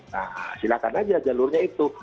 nah silakan aja jalurnya itu